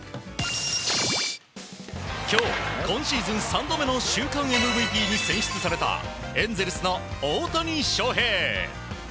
今日、今シーズン３度目の週間ＭＶＰに選出されたエンゼルスの大谷翔平。